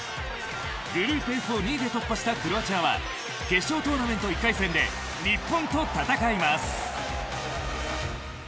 グループＦを２位で突破したクロアチアは決勝トーナメント１回戦で日本と戦います。